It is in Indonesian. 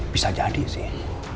bisa jadi sih